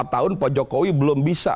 empat tahun pak jokowi belum bisa